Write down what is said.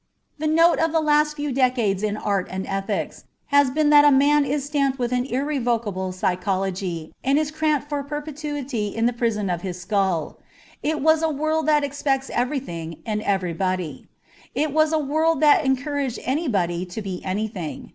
The note of the last few decades in art and ethics has been that a man is stamped with an irrevocable psychology and is cramped for perpetuity in the prison of his skull. It was a world that expects everything and everybody. It was a world that encouraged anybody to be anything.